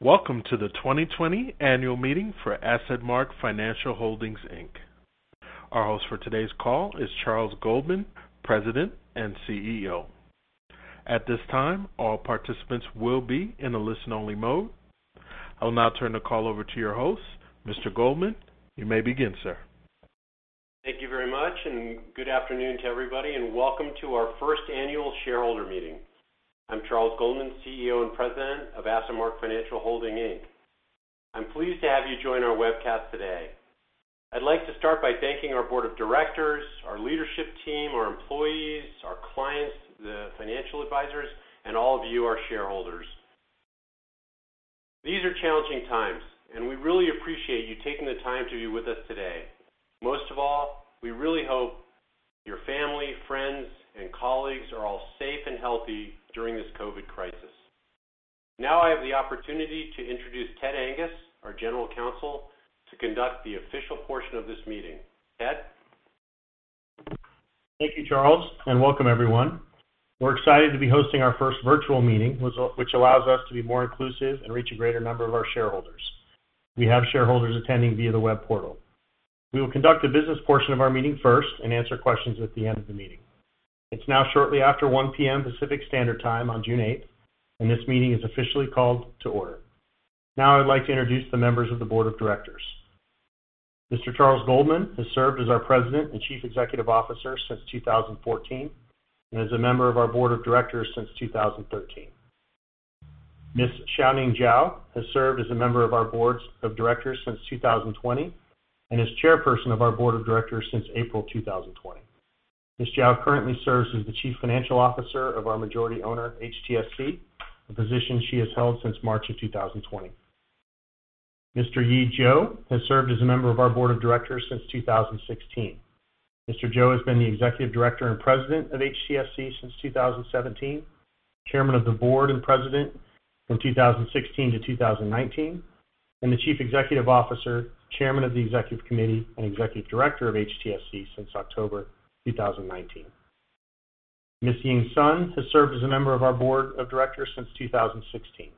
Welcome to the 2020 annual meeting for AssetMark Financial Holdings, Inc. Our host for today's call is Charles Goldman, President and CEO. At this time, all participants will be in a listen-only mode. I will now turn the call over to your host. Mr. Goldman, you may begin, sir. Thank you very much, and good afternoon to everybody, and welcome to our first annual shareholder meeting. I'm Charles Goldman, CEO and President of AssetMark Financial Holdings, Inc. I'm pleased to have you join our webcast today. I'd like to start by thanking our board of directors, our leadership team, our employees, our clients, the financial advisors, and all of you, our shareholders. These are challenging times, and we really appreciate you taking the time to be with us today. Most of all, we really hope your family, friends, and colleagues are all safe and healthy during this COVID crisis. Now I have the opportunity to introduce Ted Angus, our General Counsel, to conduct the official portion of this meeting. Ted? Thank you, Charles, and welcome everyone. We're excited to be hosting our first virtual meeting, which allows us to be more inclusive and reach a greater number of our shareholders. We have shareholders attending via the web portal. We will conduct the business portion of our meeting first and answer questions at the end of the meeting. It's now shortly after 1:00 P.M. Pacific Standard Time on June 8th, and this meeting is officially called to order. Now I would like to introduce the members of the board of directors. Mr. Charles Goldman has served as our President and Chief Executive Officer since 2014, and is a member of our board of directors since 2013. Ms. Xiaoning Jiao has served as a member of our board of directors since 2020, and is Chairperson of our board of directors since April 2020. Ms. Jiao currently serves as the Chief Financial Officer of our majority owner, HTSC, a position she has held since March 2020. Mr. Yi Zhou has served as a member of our Board of Directors since 2016. Mr. Zhou has been the Executive Director and President of HTSC since 2017, Chairman of the Board and President from 2016-2019, and the Chief Executive Officer, Chairman of the Executive Committee, and Executive Director of HTSC since October 2019. Ms. Ying Sun has served as a member of our Board of Directors since 2016.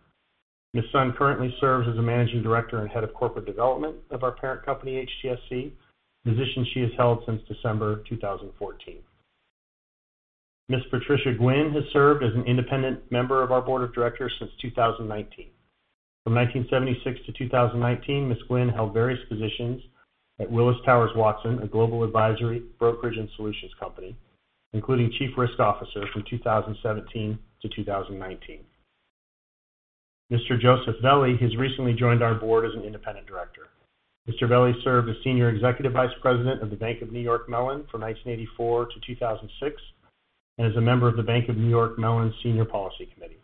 Ms. Sun currently serves as a Managing Director and Head of Corporate Development of our parent company, HTSC, a position she has held since December 2014. Ms. Patricia Guinn has served as an independent member of our Board of Directors since 2019. From 1976-2019, Ms. Guinn held various positions at Willis Towers Watson, a global advisory, brokerage, and solutions company, including Chief Risk Officer from 2017-2019. Mr. Joseph Velli has recently joined our board as an independent director. Mr. Velli served as Senior Executive Vice President of the Bank of New York Mellon from 1984-2006, and is a member of the Bank of New York Mellon senior policy committee.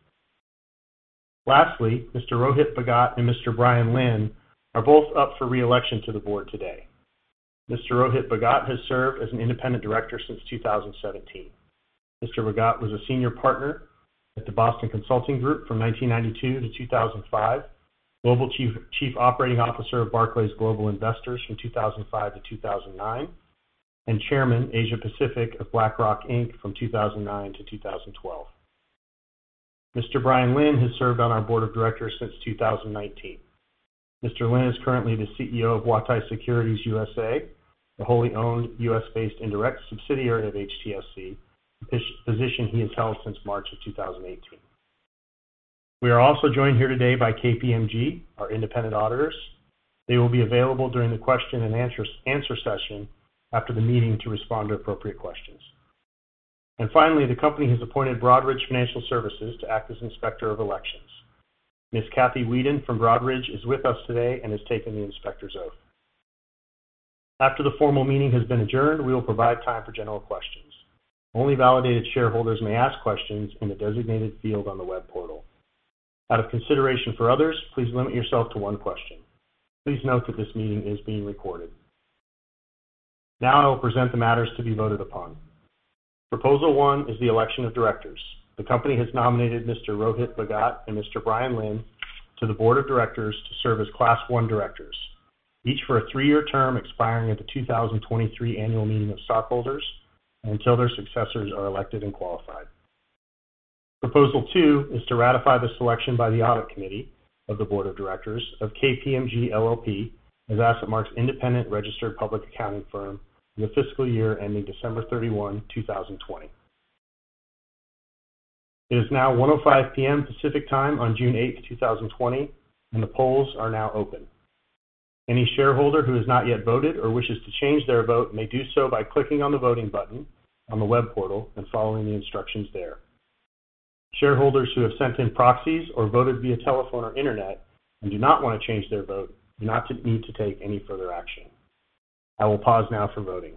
Lastly, Mr. Rohit Bhagat and Mr. Bryan Lin are both up for re-election to the board today. Mr. Rohit Bhagat has served as an independent director since 2017. Mr. Bhagat was a senior partner at the Boston Consulting Group from 1992-2005, Global Chief Operating Officer of Barclays Global Investors from 2005-2009, and Chairman, Asia Pacific of BlackRock, Inc. from 2009-2012. Mr. Bryan Lin has served on our board of directors since 2019. Mr. Lin is currently the CEO of Huatai Securities USA, the wholly-owned U.S.-based indirect subsidiary of HTSC, a position he has held since March of 2018. We are also joined here today by KPMG, our independent auditors. They will be available during the question and answer session after the meeting to respond to appropriate questions. Finally, the company has appointed Broadridge Financial Solutions to act as inspector of elections. Ms. Kathy Weeden from Broadridge is with us today and has taken the inspector's oath. After the formal meeting has been adjourned, we will provide time for general questions. Only validated shareholders may ask questions in the designated field on the web portal. Out of consideration for others, please limit yourself to one question. Please note that this meeting is being recorded. Now I will present the matters to be voted upon. Proposal 1 is the election of directors. The company has nominated Mr. Rohit Bhagat and Mr. Bryan Lin to the board of directors to serve as Class 1 directors, each for a three-year term expiring at the 2023 annual meeting of stockholders and until their successors are elected and qualified. Proposal 2 is to ratify the selection by the audit committee of the board of directors of KPMG LLP as AssetMark's independent registered public accounting firm for the fiscal year ending December 31, 2020. It is now 1:05 P.M. Pacific Time on June 8th, 2020. The polls are now open. Any shareholder who has not yet voted or wishes to change their vote may do so by clicking on the voting button on the web portal and following the instructions there. Shareholders who have sent in proxies or voted via telephone or internet and do not want to change their vote do not need to take any further action. I will pause now for voting.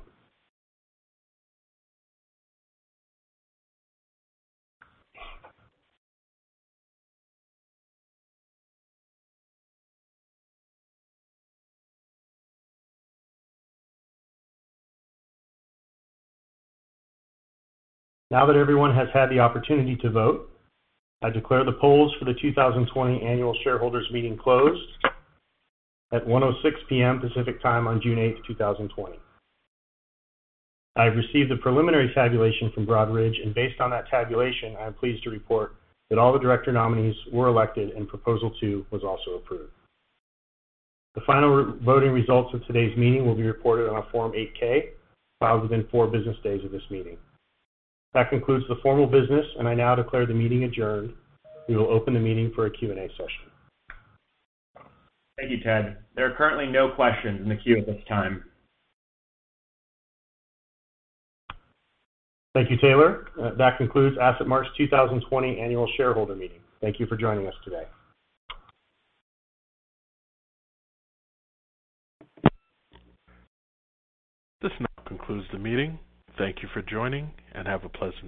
Now that everyone has had the opportunity to vote, I declare the polls for the 2020 annual shareholders meeting closed at 1:06 P.M. Pacific Time on June 8th, 2020. I have received a preliminary tabulation from Broadridge, and based on that tabulation, I am pleased to report that all the director nominees were elected and proposal two was also approved. The final voting results of today's meeting will be reported on a Form 8-K filed within four business days of this meeting. That concludes the formal business, and I now declare the meeting adjourned. We will open the meeting for a Q&A session. Thank you, Ted. There are currently no questions in the queue at this time. Thank you, Taylor. That concludes AssetMark's 2020 annual shareholder meeting. Thank you for joining us today. This now concludes the meeting. Thank you for joining, and have a pleasant day.